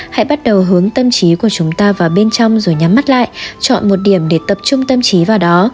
hãy bắt đầu hướng tâm trí của chúng ta vào bên trong rồi nhắm mắt lại chọn một điểm để tập trung tâm trí vào đó